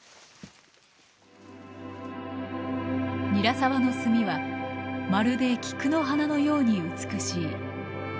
韮澤の炭はまるで菊の花のように美しい。